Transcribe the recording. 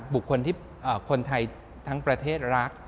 บุคคลที่คนไทยทั้งประเทศรัก